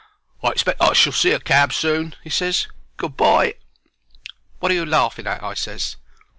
"I expect I shall see a cab soon," he ses. "Good bye." "Wot are you laughing at?" I ses.